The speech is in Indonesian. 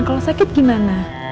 kalau sakit gimana